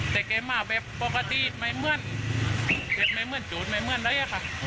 แต่แกมาแบบปกติไม่เหมือนแกไม่เหมือนจูดไม่เหมือนอะไรอะค่ะ